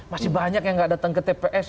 masih banyak yang nggak datang ke tps